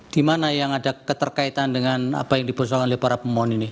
di mana yang ada keterkaitan dengan apa yang dipersoalkan oleh para pemohon ini